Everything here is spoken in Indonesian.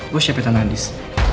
gua siapa ya tanandis